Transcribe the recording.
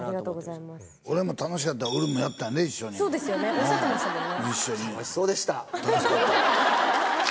おっしゃってましたね。